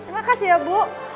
makasih ya bu